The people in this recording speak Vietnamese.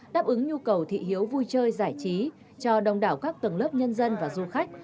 đáp ứng nhu cầu thị hiếu vui chơi giải trí cho đông đảo các tầng lớp nhân dân và du khách